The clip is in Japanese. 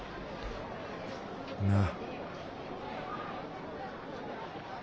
なあ。